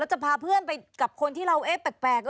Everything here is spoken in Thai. จะพาเพื่อนไปกับคนที่เราแปลก